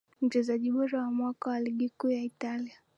Mchezaji bora wa mwaka wa ligi kuu ya Italia